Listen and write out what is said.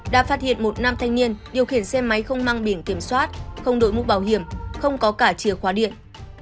đã phát hiện một nam thanh niên điều khiển xe máy không mang biển kiểm soát không đội mũ bảo hiểm không có cả chìa khóa điện